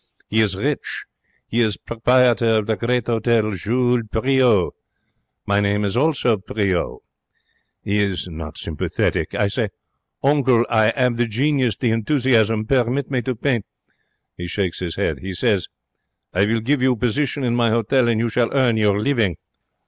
He is rich. He is proprietor of the great Hotel Jules Priaulx. My name is also Priaulx. He is not sympathetic. I say, 'Uncle, I 'ave the genius, the ent'usiasm. Permit me to paint.' He shakes his head. He say, 'I will give you position in my hotel, and you shall earn your living.'